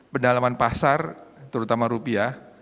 pendalaman pasar terutama rupiah